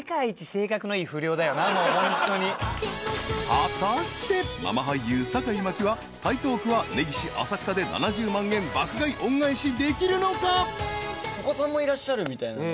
［果たしてママ俳優坂井真紀は台東区は根岸浅草で７０万円爆買い恩返しできるのか？］